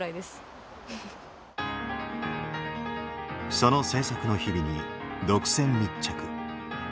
その制作の日々に独占密着。